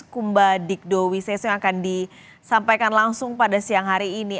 kumba digdo wiseso yang akan disampaikan langsung pada siang hari ini